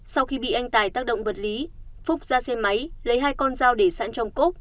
sau khi bị anh tài tác động vật lý phúc ra xe máy lấy hai con dao để sẵn trong cốc